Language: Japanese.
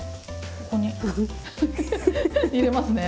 ここにフフフ入れますね。